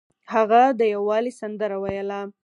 هغه د یووالي سندره ویله.